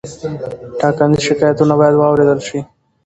ټاکنیز شکایتونه باید واوریدل شي.